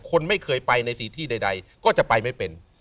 คนไม่เคยไปในสีที่ใดก็จะไปไม่เป็น